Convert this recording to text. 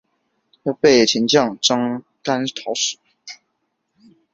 被秦将章邯讨死。